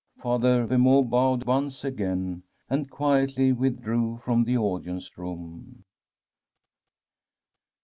Father Vemeau bowed once again, and quietly withilrcw from the audience room.